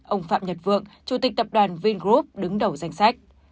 ông phạm nhật vượng chủ tịch tập đoàn vingroup đứng đầu danh sách